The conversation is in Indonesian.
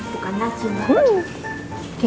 bukan lagi mbak